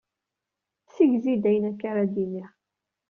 Segzi-d ayen akka ara d-iniɣ.